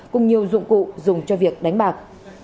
cùng nhiều dụng cụ dùng cho việc đánh bạc